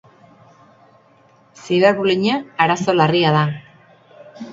Ziberbullyinga arazo larria da.